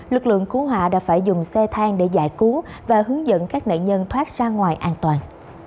lực lượng cứu hỏa đã phải dùng xe thang để giải cứu và hướng dẫn các nạn nhân thoát ra ngoài an toàn